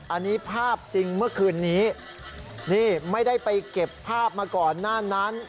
อันนี้ภาพจริงเมื่อคืนนี้นี่ไม่ได้ไปเก็บภาพมาก่อนหน้านั้น